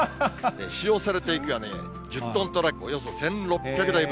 使用された雪は１０トントラックおよそ１６００台分。